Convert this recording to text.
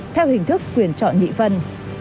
theo hình thức quyền chọn nhị phân